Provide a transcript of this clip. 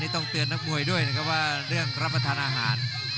ต้องเตือนนักมวยด้วยนะครับว่าเรื่องรับประทานอาหาร